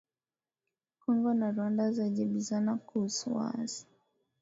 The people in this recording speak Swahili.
Kongo na Rwanda zajibizana kuhusu waasi